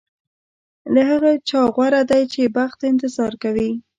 له هغه چا غوره دی چې بخت ته انتظار کوي.